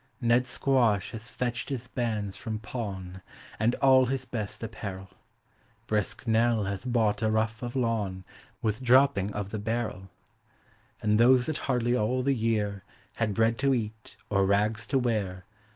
Ned Squash has fetched his bands from pawn. And all his best apparel ; Brisk Nell hath bought a ruff of lawn With dropping of the barrel ; And those that hardly all the year Had bread to eat, or rags to wear.